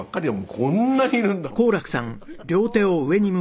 こんなにいるんだもん。